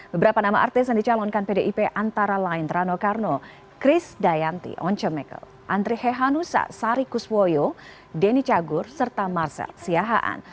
beberapa nama artis yang dicalonkan pdip antara lain rano karno chris dayanti once michael andri hehanusa sari kuswoyo denny cagur serta marcel siahaan